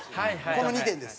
この２点です。